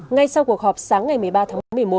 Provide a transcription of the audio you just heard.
ngay sau cuộc họp sáng ngày một mươi ba tháng một mươi một